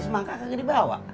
semangka kagak dibawa